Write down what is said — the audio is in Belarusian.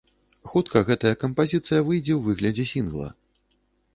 Хутка гэтая кампазіцыя выйдзе ў выглядзе сінгла.